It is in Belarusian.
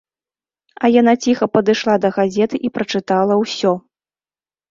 А яна ціха падышла да газеты і прачытала ўсё.